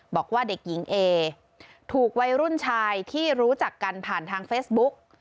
บอกว่าเด็กหญิงเอถูกวัยรุ่นชายที่รู้จักกันผ่านทางเฟซบุ๊ก